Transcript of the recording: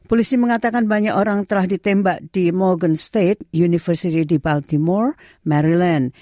polisi mengatakan banyak orang telah ditembak di morgan state university di paltimore maryland